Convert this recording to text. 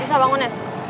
bisa bangun ya